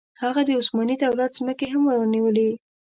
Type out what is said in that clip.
هغه د عثماني دولت ځمکې هم ونیولې.